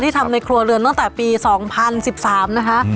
ทำในครัวเรือนตั้งแต่ปี๒๐๑๓นะคะ